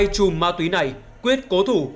hai chùm ma túy này quyết cố thủ